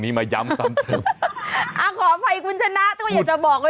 ที่จุบที่แตกนะ